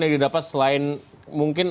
yang didapat selain mungkin